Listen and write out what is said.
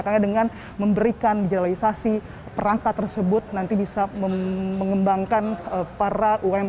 karena dengan memberikan digitalisasi perangkat tersebut nanti bisa mengembangkan para uinp